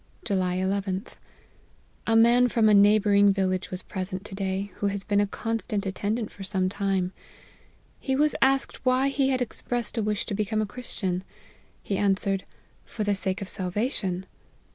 "July llth. A man from a neighbouring vil lage was present to day, who has been a constant attendant for some time. He was asked why he had expressed a wish to become a Christian ? He answered, For the sake of salvation.'